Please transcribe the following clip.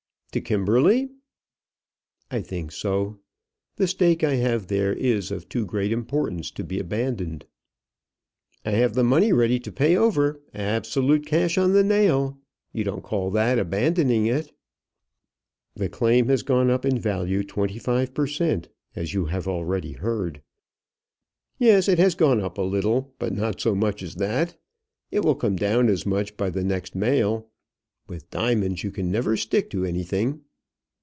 "To Kimberley?" "I think so. The stake I have there is of too great importance to be abandoned." "I have the money ready to pay over; absolute cash on the nail. You don't call that abandoning it?" "The claim has gone up in value 25 per cent, as you have already heard." "Yes; it has gone up a little, but not so much as that. It will come down as much by the next mail. With diamonds you never can stick to anything."